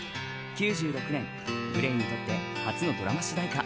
９６年、ＧＬＡＹにとって初のドラマ主題歌。